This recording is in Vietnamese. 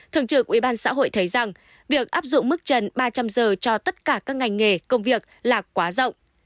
thượng trưởng ubnd thấy rằng việc áp dụng mức trần ba trăm linh giờ cho tất cả các ngành nghề công việc là quá rộng